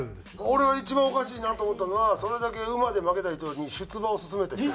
俺は一番おかしいなと思ったのはそれだけ馬で負けた人に出馬を勧めた人。